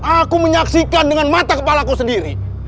aku menyaksikan dengan mata kepala ku sendiri